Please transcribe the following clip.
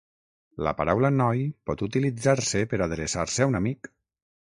La paraula noi pot utilitzar-se per adreçar-se a un amic.